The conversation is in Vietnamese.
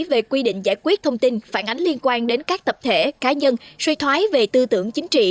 về quy định giải quyết thông tin phản ánh liên quan đến các tập thể cá nhân suy thoái về tư tưởng chính trị